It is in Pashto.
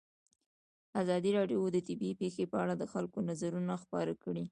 ازادي راډیو د طبیعي پېښې په اړه د خلکو نظرونه خپاره کړي.